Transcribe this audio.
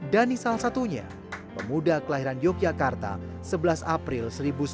dhani salah satunya pemuda kelahiran yogyakarta sebelas april seribu sembilan ratus sembilan puluh